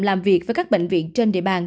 làm việc với các bệnh viện trên địa bàn